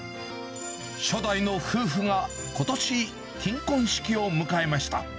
初代の夫婦がことし、金婚式を迎えました。